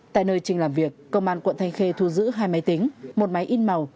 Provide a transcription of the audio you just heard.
tại nơi trình làm việc công an quận thanh khê thu giữ hai máy tính một máy in màu